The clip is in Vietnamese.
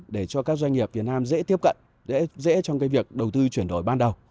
để cho các doanh nghiệp việt nam dễ tiếp cận dễ trong việc đầu tư chuyển đổi ban đầu